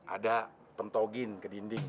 ada pentogin ke dinding